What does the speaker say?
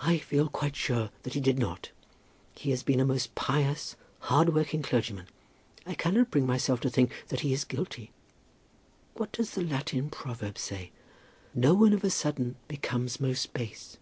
"I feel quite sure that he did not. He has been a most pious, hard working clergyman. I cannot bring myself to think that he is guilty. What does the Latin proverb say? 'No one of a sudden becomes most base.'"